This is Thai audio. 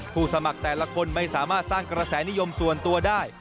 สมัครแต่ละคนไม่สามารถสร้างกระแสนิยมส่วนตัวได้